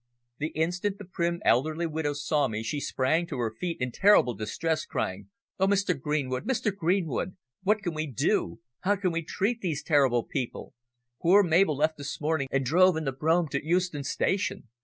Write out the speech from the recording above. The instant the prim elderly widow saw me she sprang to her feet in terrible distress, crying "Oh, Mr. Greenwood, Mr. Greenwood! What can we do? How can we treat these terrible people? Poor Mabel left this morning and drove in the brougham to Euston Station.